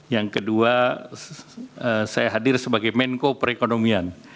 yang kedua saya hadir sebagai menko perekonomian